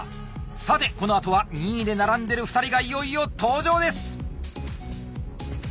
さてこのあとは２位で並んでる２人がいよいよ登場です！